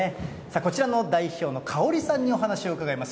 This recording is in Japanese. こちらの代表のカオリさんにお話を伺います。